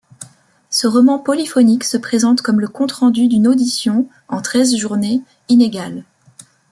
Ce roman polyphonique se présente comme le compte-rendu d'une audition, en treize journées, inégales.